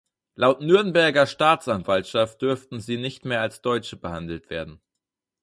Laut Nürnberger Staatsanwaltschaft dürfen sie nicht mehr als Deutsche behandelt werden.